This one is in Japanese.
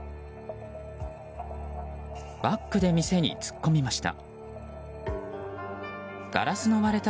バックで店に突っ込みました。